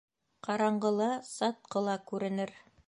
Ҡараңғыла сатҡы ла күренер.